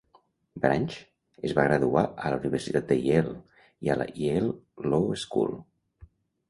Branch es va graduar a la Universitat de Yale i a la Yale Law School.